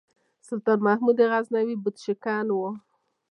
سلطان محمود غزنوي بُت شکن و.